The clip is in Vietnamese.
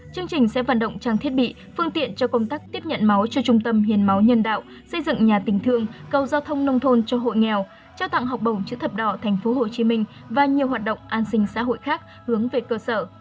chương trình sẽ vận động trang thiết bị phương tiện cho công tác tiếp nhận máu cho trung tâm hiền máu nhân đạo xây dựng nhà tình thương cầu giao thông nông thôn cho hội nghèo trao tặng học bổng chữ thập đỏ tp hcm và nhiều hoạt động an sinh xã hội khác hướng về cơ sở